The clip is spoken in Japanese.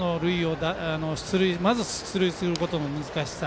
まず出塁することの難しさ。